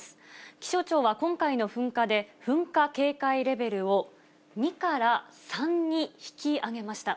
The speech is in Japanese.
気象庁は今回の噴火で噴火警戒レベルを２から３に引き上げました。